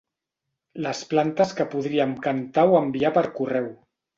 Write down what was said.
Les plantes que podríem cantar o enviar per correu.